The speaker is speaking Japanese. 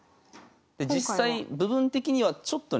実際部分的にはちょっとね